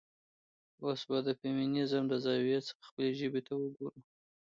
اوس به د د فيمينزم له زاويې نه خپلې ژبې ته وګورو.